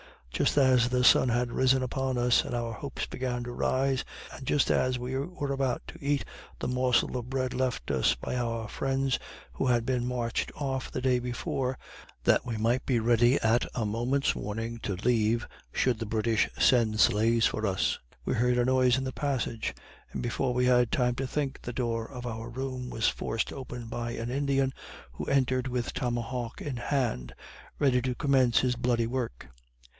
Just as the sun had risen upon us, and our hopes began to rise; and just as we were about to eat the morsel of bread left us by our friends who had been marched off the day before, that we might be ready at a moments warning to leave, should the British send sleighs for us, we heard a noise in the passage, and before we had time to think, the door of our room was forced open by an Indian, who entered with tomahawk in hand, ready to commence his bloody work.